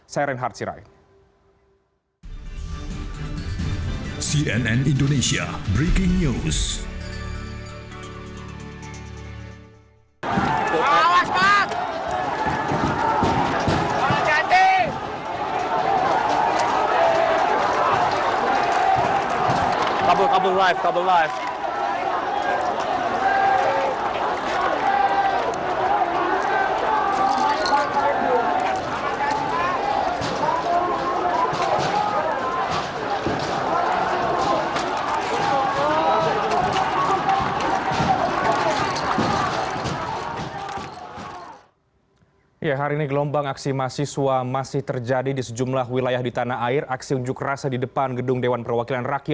saya reinhard sirai